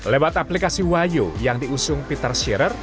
lewat aplikasi wayo yang diusung peter scherer